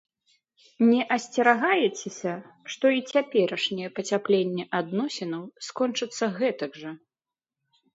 Не асцерагаецеся, што і цяперашняе пацяпленне адносінаў скончыцца гэтак жа?